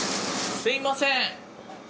すみません。